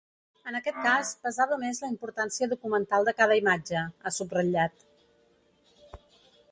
En aquest cas pesava més la importància documental de cada imatge, ha subratllat.